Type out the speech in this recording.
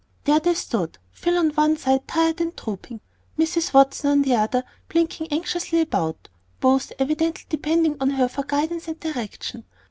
There they stood, Phil on one side tired and drooping, Mrs. Watson on the other blinking anxiously about, both evidently depending on her for guidance and direction.